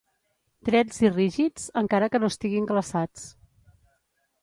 Drets i rígids, encara que no estiguin glaçats.